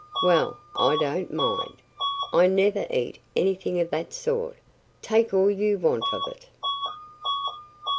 Well, I don't mind. I never eat anything of that sort. Take all you want of it!"